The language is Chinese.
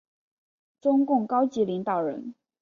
中共高级领导人。